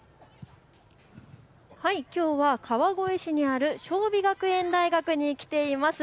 きょうは川越市にある尚美学園大学に来ています。